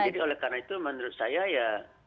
jadi oleh karena itu menurut saya ya